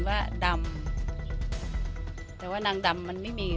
เจ๊บ้าบินว่าดำแต่ว่านางดำมันไม่มี